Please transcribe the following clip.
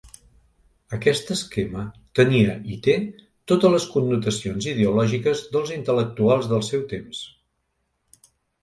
Aquest esquema tenia i té totes les connotacions ideològiques dels intel·lectuals del seu temps.